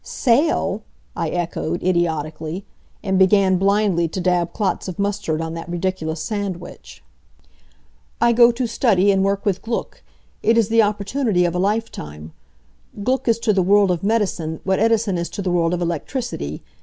"Sail!" I echoed, idiotically; and began blindly to dab clots of mustard on that ridiculous sandwich. "I go to study and work with Gluck. It is the opportunity of a lifetime. Gluck is to the world of medicine what Edison is to the world of electricity.